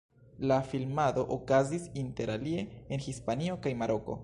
La filmado okazis inter alie en Hispanio kaj Maroko.